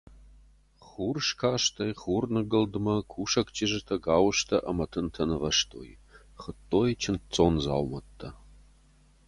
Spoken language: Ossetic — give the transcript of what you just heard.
Хурскастӕй хурныгуылдмӕ кусӕг чызджытӕ гауызтӕ ӕмӕ тынтӕ нывӕзтой, хуыдтой чындздзон дзаумӕттӕ.